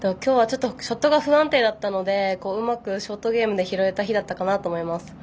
ショットが不安定だったのでうまくショットゲームで拾えた日だったかなと思います。